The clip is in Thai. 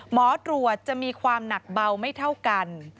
หมอตรวจจะมีความหนักเบาไม่เท่ากัน